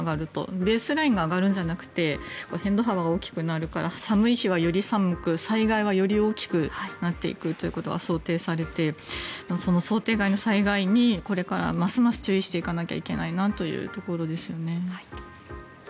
ベースラインが上がるのではなくて変動幅が大きくなるから寒い日はより寒く災害は、より大きくなっていくということが想定されて、想定外の災害にこれからますます注意していかなければならないということですね。